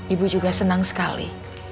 ibu juga senang sekali